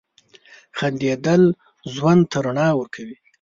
• خندېدل ژوند ته رڼا ورکوي.